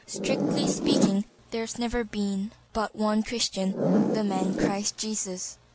Strictly speaking there has never been but one Christian—the man Christ Jesus.